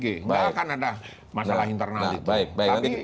tidak akan ada masalah internal gitu